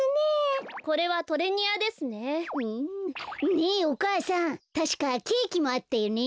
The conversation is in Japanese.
ねえお母さんたしかケーキもあったよね。